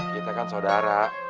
kita kan saudara